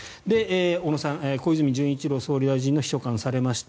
小野さん、小泉純一郎さんの秘書官をされました。